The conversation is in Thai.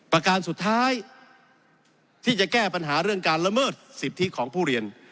ประการสุดท้ายที่จะแก้ปัญหาเรื่องการละเมิดสิทธิของผู้เรียน